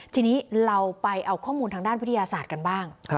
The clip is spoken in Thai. ทีนี้เราไปเอาข้อมูลทางด้านวิทยาศาสตร์กันบ้าง